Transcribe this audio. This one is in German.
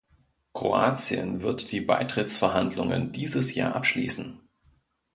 Kroatien wird die Beitrittsverhandlungen dieses Jahr abschließen.